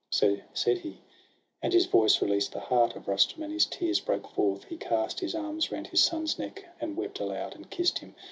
So said he, and his voice released the heart Of Rustum, and his tears broke forth; he cast His arms round his son's neck, and wept aloud, And kiss'd him.